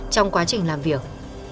trong quá trình làm việc